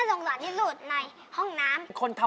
โอ้โอ้โอ้